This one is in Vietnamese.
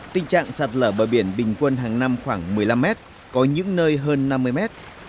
tình trạng sạt lở bờ biển bình quân hàng năm khoảng một mươi năm mét có những nơi hơn năm mươi mét